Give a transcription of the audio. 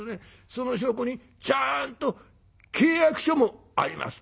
その証拠にちゃんと契約書もあります」